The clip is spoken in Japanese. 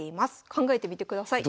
考えてみてください。